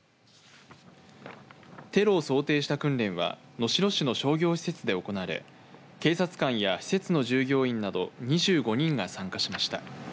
テロを想定した訓練は能代市の商業施設で行われ警察官や施設の従業員など２５人が参加しました。